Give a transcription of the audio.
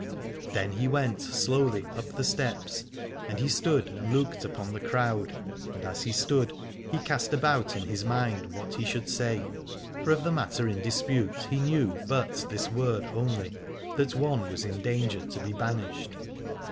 Then he went slowly up the steps, and he stood and looked upon the crowd : and as he stood he cast about in his mind what he should say, for of the matter in dispute he knew but this word only, that one was in danger to be banished.